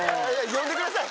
呼んでください